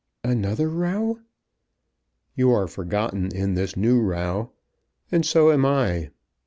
"Another row?" "You are forgotten in this new row, and so am I.